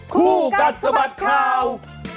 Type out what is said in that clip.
คู่กัดสะบัดข่าว